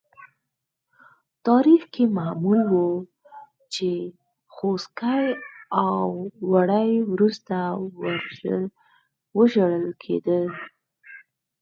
تاریخ کې معمول وه چې خوسکي او وری وروسته وژل کېدل.